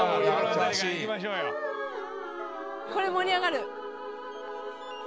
「これ盛り上がる」